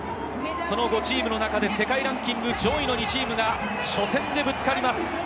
その５チームの中で世界ランキング上位の２チームが初戦でぶつかります。